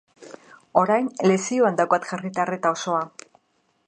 Orain lesioan daukat jarrita arreta osoa.